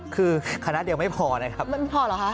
คือคณะเดียวไม่พอนะครับมันไม่พอเหรอคะ